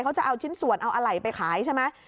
เขาจะเอาชิ้นส่วนเอาอะไหล่ไปขายใช่ไหม